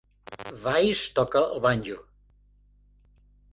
Weiss toca el banjo.